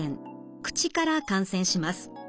口から感染します。